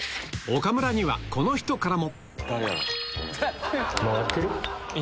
岡村にはこの人からも。